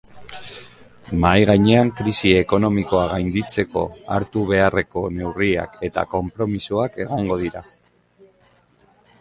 Mahai gainean krisi ekonomikoa gainditzeko hartu beharreko neurriak eta konpromisoak egongo dira.